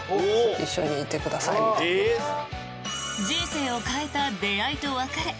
人生を変えた出会いと別れ。